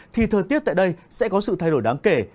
thì thời tiết tại đây sẽ có sự thay đổi đáng kể